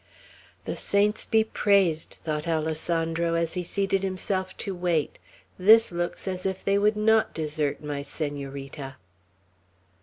"The saints be praised!" thought Alessandro, as he seated himself to wait. "This looks as if they would not desert my Senorita."